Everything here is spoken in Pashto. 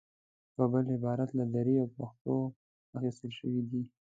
په بل عبارت له دري او پښتو اخیستل شوې دي.